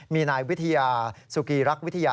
มีนายวิทยาสุกีรักวิทยา